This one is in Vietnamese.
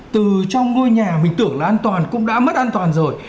từ trong ngôi nhà mình tưởng là an toàn cũng đã mất an toàn rồi